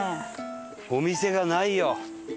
お店がないよ。